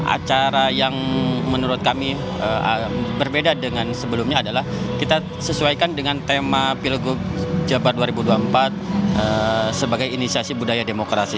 acara yang menurut kami berbeda dengan sebelumnya adalah kita sesuaikan dengan tema pilgub jabar dua ribu dua puluh empat sebagai inisiasi budaya demokrasi